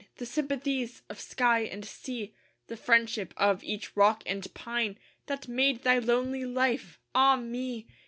The sympathies of sky and sea, The friendship of each rock and pine, That made thy lonely life, ah me!